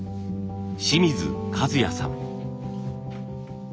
清水和也さん。